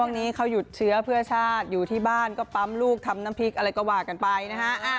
ช่วงนี้เขาหยุดเชื้อเพื่อชาติอยู่ที่บ้านก็ปั๊มลูกทำน้ำพริกอะไรก็ว่ากันไปนะฮะ